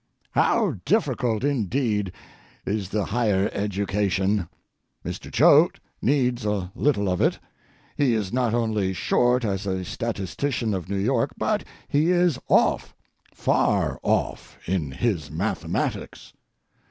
How difficult, indeed, is the higher education. Mr. Choate needs a little of it. He is not only short as a statistician of New York, but he is off, far off, in his mathematics.